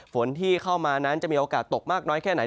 ฝนที่เข้ามานั้นจะมีโอกาสตกมากน้อยแค่ไหน